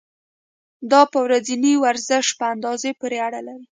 دا په ورځني ورزش په اندازې پورې اړه لري.